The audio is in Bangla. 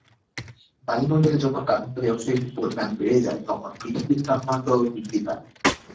বায়ুমণ্ডলে যখন কার্বন ডাই-অক্সাইডের পরিমাণ বেড়ে যায় তখন পৃথিবীর তাপমাত্রাও বৃদ্ধি পায়।